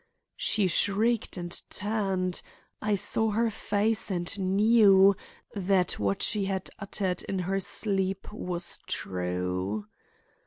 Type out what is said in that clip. She shrieked and turned. _I saw her face and knew that what she had uttered in her sleep was true.